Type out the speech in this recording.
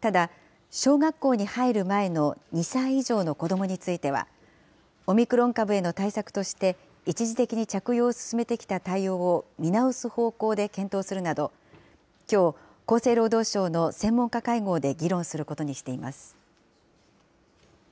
ただ、小学校に入る前の２歳以上の子どもについては、オミクロン株への対策として、一時的に着用をすすめてきた対応を見直す方向で検討するなど、きょう、厚生労働省の専門家会合で議論することにしています。